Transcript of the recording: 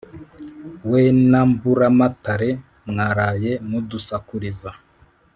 We na Mburamatare mwaraye mudusakurize